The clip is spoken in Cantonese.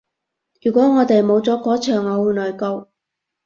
如果我哋冇咗個場我會內疚